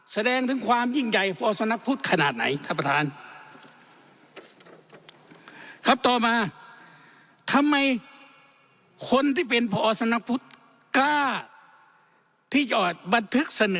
แสดงถึงความยิ่งใหญ่ภาวศนพุธ